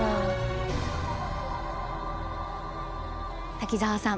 滝沢さん